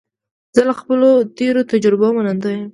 زه له خپلو تېرو تجربو منندوی یم.